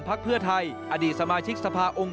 เพื่อไทยอดีตสมาชิกสภาองค์